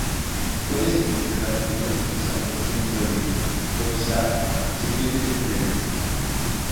Puede significar que un antepasado fue un "flamen", o quizá sirviente de un flamen.